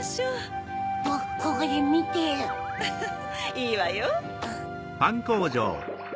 いいわよ。